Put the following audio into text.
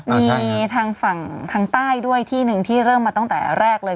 มีทางฝั่งทางใต้ด้วยที่หนึ่งที่เริ่มมาตั้งแต่แรกเลย